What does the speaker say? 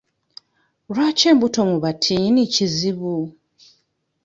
Lwaki embuto mu batiini kizibu?